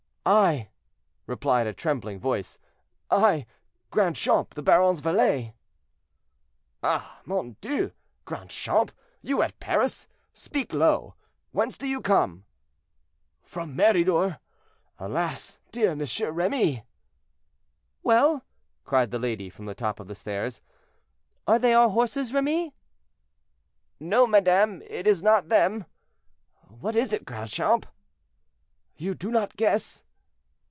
"I!" replied a trembling voice, "I, Grandchamp, the baron's valet." "Ah! mon Dieu! Grandchamp, you at Paris! speak low! Whence do you come?" "From Meridor. Alas, dear M. Remy!" "Well," cried the lady from the top of the stairs, "are they our horses, Remy?" "No, madame, it is not them. What is it, Grandchamp?" "You do not guess?"